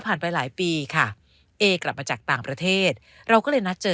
ไปหลายปีค่ะเอกลับมาจากต่างประเทศเราก็เลยนัดเจอ